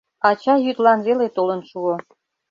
Ача йӱдлан веле толын шуо.